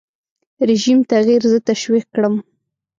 رژیم تغییر زه تشویق کړم.